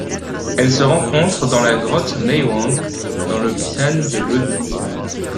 Elle se rencontre dans la grotte Meiwang dans le xian de Lodi.